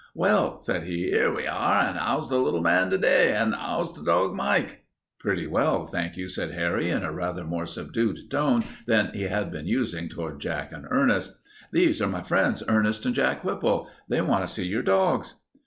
"Well," said he, "'ere we are. An' 'ow's the little man to day? An' 'ow's the dog Mike?" "Pretty well, thank you," said Harry, in a rather more subdued tone than he had been using toward Jack and Ernest. "These are my friends, Ernest and Jack Whipple. They want to see your dogs."